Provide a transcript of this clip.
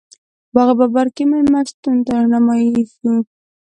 باغ بابر کې مېلمستون ته رهنمایي شوو.